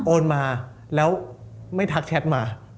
โอนมาแล้วไม่ทักแชทมา